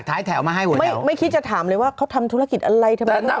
คลัยแถวมาถามเลยว่าเขาทำธุรกิจอะไร